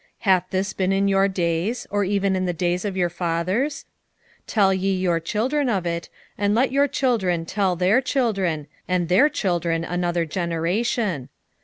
Hath this been in your days, or even in the days of your fathers? 1:3 Tell ye your children of it, and let your children tell their children, and their children another generation.